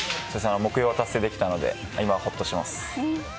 目標を達成できたので、今、ほっとしてます。